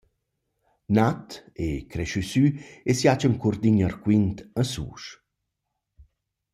Nat e creschü sü es Jachen Curdin Arquint a Susch.